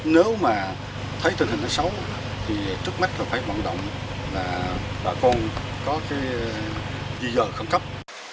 nếu mà thấy tình hình xấu thì trước mắt phải bận động là bà con có dây dờ khẩn cấp